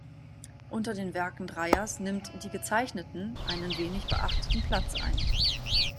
Unter den Werken Dreyers nimmt "Die Gezeichneten" einen wenig beachteten Platz ein.